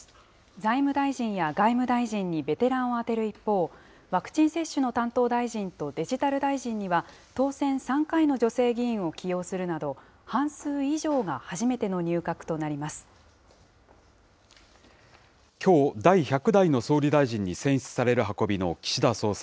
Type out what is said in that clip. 財務大臣や外務大臣にベテランを充てる一方、ワクチン接種の担当大臣とデジタル大臣には、当選３回の女性議員を起用するなど、半数以上が初めての入閣となきょう、第１００代の総理大臣に選出される運びの岸田総裁。